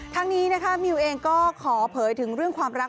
ทั้งนี้นะคะมิวเองก็ขอเผยถึงเรื่องความรัก